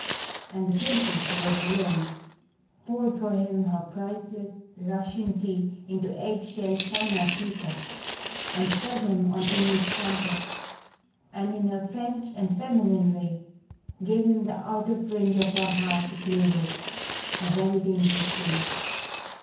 And the Princess, who was alone, poured for him her priceless Russian tea into egg shell China tea cups and fed him on English crumpets, and, in her French and feminine way, gave him the outer fringe of her heart to play with a very dangerous game.